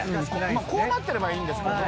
こうなってればいいんですけど。